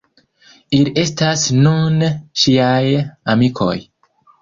Ili estas nun ŝiaj amikoj.